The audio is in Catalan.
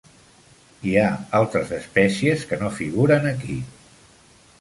Hi ha altres espècies que no figuren aquí.